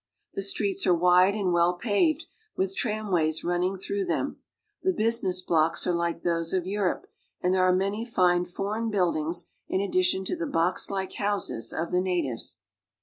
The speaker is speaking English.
The streets are wide and well paved, with tramways running through them. The business blocks are like those of Europe, and there are many fine foreign buildings in addition to the boxlike houses of the natives.